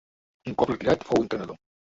Un cop retirar fou entrenador.